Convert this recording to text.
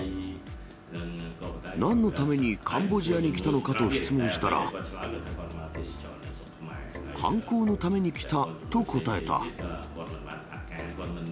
なんのためにカンボジアに来たのかと質問したら、観光のために来たと答えた。